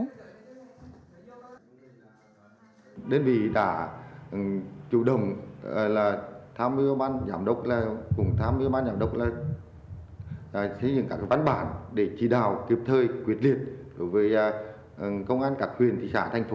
các đơn vị đã chủ động tham mưu bán giám đốc tham mưu bán giám đốc với những các văn bản để chỉ đạo tiếp thời quyết liệt với công an các huyện thị xã thành phố